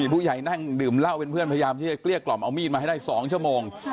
ผู้ใหญ่นั่งดื่มเหล้าเป็นเพื่อนพยายามที่จะเกลี้ยกล่อมเอามีดมาให้ได้๒ชั่วโมง